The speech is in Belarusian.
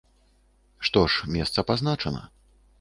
Што ж, месца пазначана.